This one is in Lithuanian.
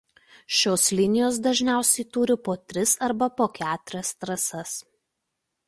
Šios linijos dažniausiai turi po tris arba po keturias trasas.